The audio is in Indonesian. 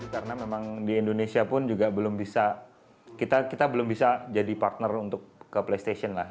karena memang di indonesia pun juga belum bisa kita belum bisa jadi partner untuk ke playstation lah